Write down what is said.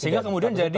sehingga kemudian jadi